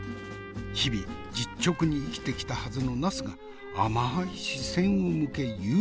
日々実直に生きてきたはずのナスが甘い視線を向け誘惑してきよる。